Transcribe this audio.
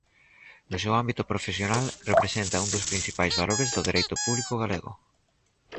No seu ámbito profesional, representa un dos principais valores do Dereito Público galego.